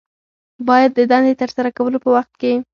باید د دندې د ترسره کولو په وخت کې